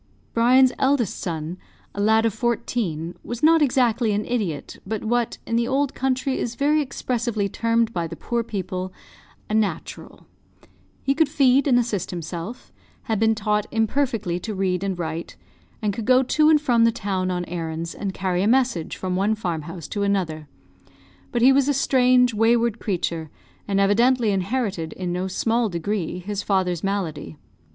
Brian's eldest son, a lad of fourteen, was not exactly an idiot, but what, in the old country, is very expressively termed by the poor people a "natural." He could feed and assist himself, had been taught imperfectly to read and write, and could go to and from the town on errands, and carry a message from one farm house to another; but he was a strange, wayward creature, and evidently inherited, in no small degree, his father's malady.